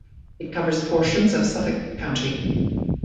It covers portions of Suffolk county.